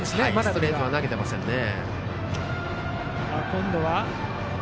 ストレートは投げていませんね。